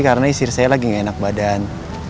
karena istri saya lagi gak enak badan